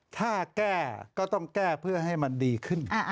ถ้าแก้ก็ต้องแก้เพื่อให้มันดีขึ้น